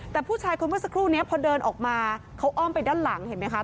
แต่ผู้ชายคนนี้พอเดินออกมาเขาอ้อมไปด้านหลังเห็นมั้ยคะ